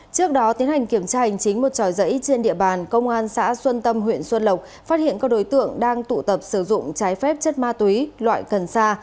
trước đó tiến hành kiểm tra hành chính một tròi giấy trên địa bàn công an xã xuân tâm huyện xuân lộc phát hiện các đối tượng đang tụ tập sử dụng trái phép chất ma túy loại cần sa